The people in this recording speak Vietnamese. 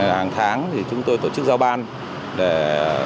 hàng tháng chúng tôi tổ chức giao ban để trao đổi